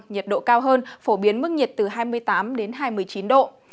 nhiệt độ cao hơn phổ biến mức nhiệt từ hai mươi tám đến hai mươi chín độ